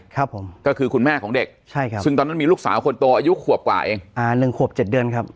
ครับผมก็คือคุณแม่ของเด็กใช่ครับซึ่งตอนนั้นมีลูกสาวคนโตอายุขวบกว่าเองอ่าหนึ่งขวบเจ็ดเดือนครับ